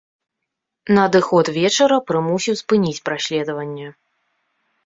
Надыход вечара прымусіў спыніць праследаванне.